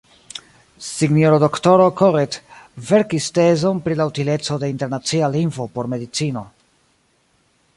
S-ro Doktoro Corret verkis tezon pri la utileco de internacia lingvo por medicino.